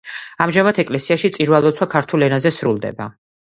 ამჟამად ეკლესიაში წირვა-ლოცვა ქართულ ენაზე სრულდება.